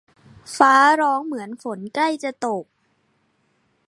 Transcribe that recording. ฟ้าร้องเหมือนฝนใกล้จะตก